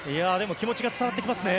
気持ちが伝わってきますね。